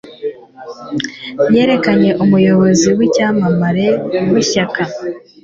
Yerekanye umuyobozi w'icyamamare w'ishyaka,